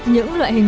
những loại hình ảnh